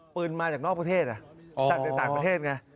มาจากนอกประเทศจากต่างประเทศไง